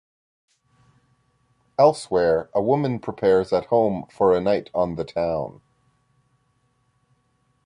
Elsewhere, a woman prepares at home for a night on the town.